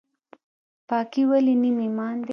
پاکي ولې نیم ایمان دی؟